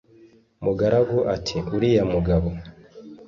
mugaragu ati uriya mugabo